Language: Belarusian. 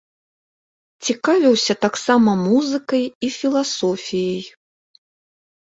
Цікавіўся таксама музыкай і філасофіяй.